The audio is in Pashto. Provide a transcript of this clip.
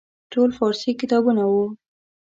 ټول فارسي کتابونه وو.